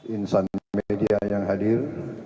insan media yang hadir